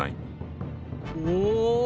お！